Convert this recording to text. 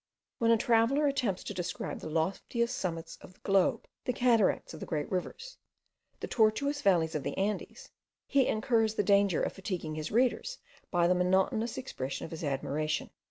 When a traveller attempts to describe the loftiest summits of the globe, the cataracts of the great rivers, the tortuous valleys of the Andes, he incurs the danger of fatiguing his readers by the monotonous expression of his admiration.